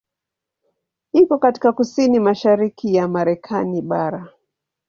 Iko katika kusini mashariki ya Marekani bara.